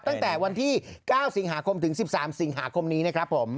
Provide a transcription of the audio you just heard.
ตั้งแต่วันที่๙สิงหาคมถึง๑๓สิงหาคมนี้นะครับผม